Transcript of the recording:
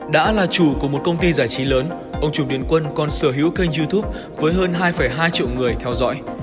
đã là chủ của một công ty giải trí lớn ông trùng điền quân còn sở hữu kênh youtube với hơn hai hai triệu người theo dõi